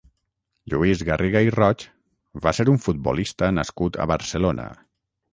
Lluís Garriga i Roig va ser un futbolista nascut a Barcelona.